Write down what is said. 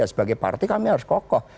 sebagai partai kami harus kokoh